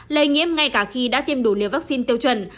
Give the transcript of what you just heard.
lây nhiễm ngay cả khi đã tiêm đủ liều vaccine tiêu chuẩn